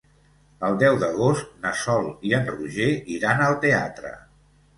El deu d'agost na Sol i en Roger iran al teatre.